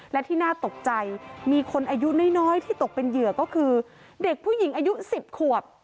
และที่น่าตกใจมีคนอายุน้อยที่ตกเป็นเหยื่อก็คือเด็กผู้หญิงอายุ๑๐ขวบ